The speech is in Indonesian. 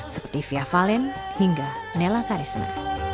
seperti fia fallen hingga nella karisma